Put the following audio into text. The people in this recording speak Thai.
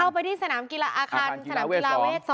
อาคารกีฬาเวท๒